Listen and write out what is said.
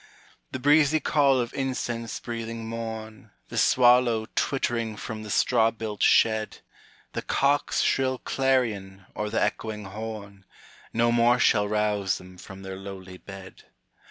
The breezy call of incense breathing morn, The swallow twittering from the straw built shed, The cock's shrill clarion, or the echoing horn, No more shall rouse them from their lowly bed.